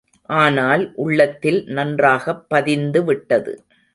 ஆனால், உள்ளத்தில் நன்றாகப் பதிந்துவிட்டது.